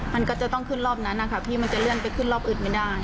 มันก็จะต้องขึ้นรอบนั้นนะคะพี่มันจะเลื่อนไปขึ้นรอบอื่นไม่ได้